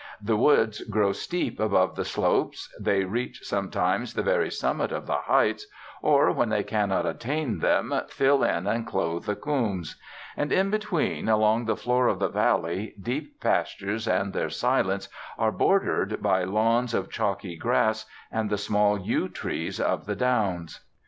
The woods grow steep above the slopes; they reach sometimes the very summit of the heights, or, when they cannot attain them, fill in and clothe the coombes. And, in between, along the floor of the valley, deep pastures and their silence are bordered by lawns of chalky grass and the small yew trees of the Downs.